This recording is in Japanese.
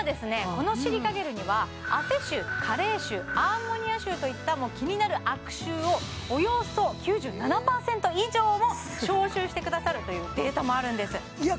このシリカゲルには汗臭加齢臭アンモニア臭といった気になる悪臭をおよそ９７％以上も消臭してくださるというデータもあるんですいや